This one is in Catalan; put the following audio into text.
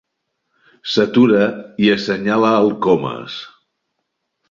S'atura i assenyala el Comas.